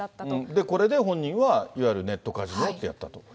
これで、本人はいわゆるネットカジノをやったと。